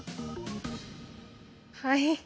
はい。